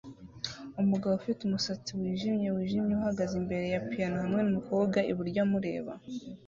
Umugabo ufite umusatsi wijimye wijimye uhagaze imbere ya piyano hamwe numukobwa iburyo amureba